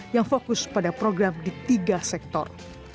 yang fokus pada program di tiga sektor